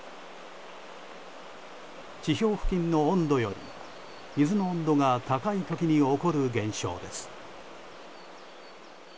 地表付近の温度より水の温度が高い時に起こる現象です。